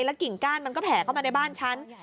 กิ่งก้านมันก็แผ่เข้ามาในบ้านฉัน